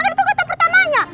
kan itu kata pertamanya